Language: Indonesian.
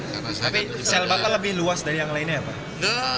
tapi sel bakal lebih luas dari yang lainnya ya pak